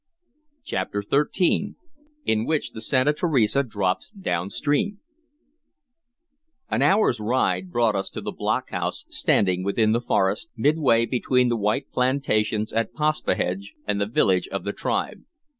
CHAPTER XIII IN WHICH THE SANTA TERESA DROPS DOWNSTREAM AN hour's ride brought us to the block house standing within the forest, midway between the white plantations at Paspahegh and the village of the tribe.